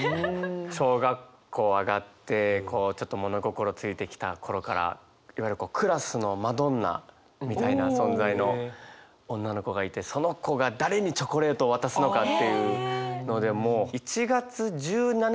小学校上がってこうちょっと物心ついてきた頃からいわゆるクラスのマドンナみたいな存在の女の子がいてその子が誰にチョコレートを渡すのかっていうので。